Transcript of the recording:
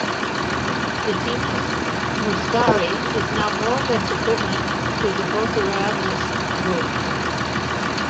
The genus "Muscari" is now more or less equivalent to the Botryanthus group.